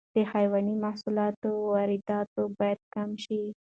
د حیواني محصولاتو واردات باید کم شي.